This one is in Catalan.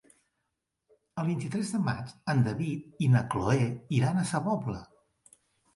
El vint-i-tres de maig en David i na Cloè iran a Sa Pobla.